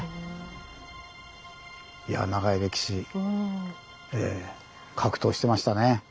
いやぁ長い歴史格闘してましたね。